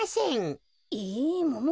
えもも